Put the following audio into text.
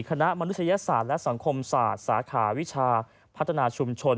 มนุษยศาสตร์และสังคมศาสตร์สาขาวิชาพัฒนาชุมชน